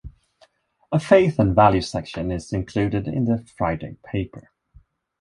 A Faith and Values section is included in the Friday paper.